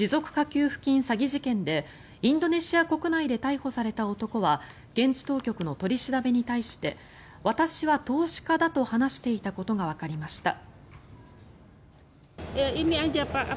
給付金詐欺事件でインドネシア国内で逮捕された男は現地当局の取り調べに対して私は投資家だと話していたことがわかりました。